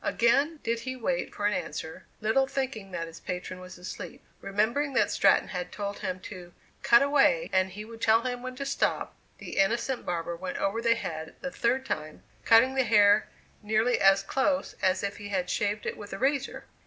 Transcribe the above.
Again did he wait for an answer, little thinking that his patron was asleep. Remembering that Stratton had told him to "cut away, and he would tell him when to stop," the innocent barber went over the head the third time, cutting the hair nearly as close as if he had shaved it with a razor!